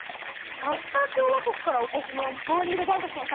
パスタ共和国からお越しのモーリー・ロバートソンさん。